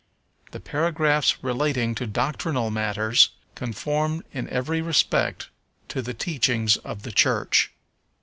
The paragraphs relating to doctrinal matters conform in every respect to the teachings of the Church.